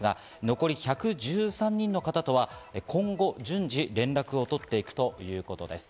残り１１３人の方とは今後、順次連絡を取っていくということです。